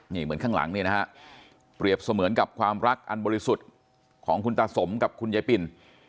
นี่เหมือนข้างหลังเนี่ยนะฮะเปรียบเสมือนกับความรักอันบริสุทธิ์ของคุณตาสมกับคุณยายปิน